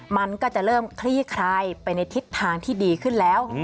มันก็จะเริ่มคลี่คลายไปในทิศทางที่ดีขึ้นแล้ว